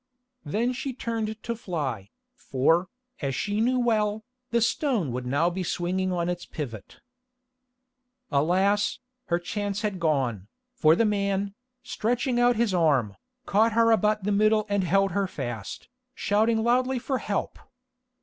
Then she turned to fly, for, as she knew well, the stone would now be swinging on its pivot. Alas! her chance had gone, for the man, stretching out his arm, caught her about the middle and held her fast, shouting loudly for help.